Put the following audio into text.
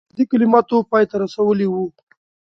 جدي کلماتو پای ته رسولی وو.